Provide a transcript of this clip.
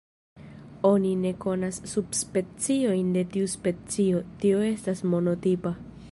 Oni ne konas subspeciojn de tiu specio, tio estas monotipa.